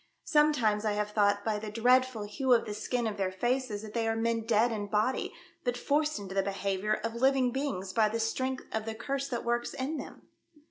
Sometimes I have thought by the dreadful hue of the skin of their faces that they are men dead in body, but forced into the behaviour of living beings by the strength of the Curse that works in them."